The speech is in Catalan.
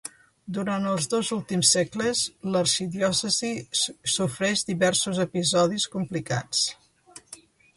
Durant els dos últims segles l'arxidiòcesi sofreix diversos episodis complicats.